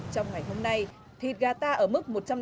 trong ngày hôm nay thịt gà ta ở mức